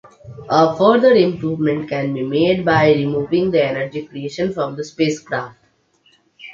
A further improvement can be made by removing the energy creation from the spacecraft.